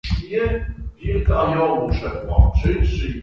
He is independently wealthy and a world-famous celebrity for his exploits.